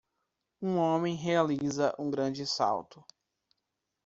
um homem realiza um grande salto.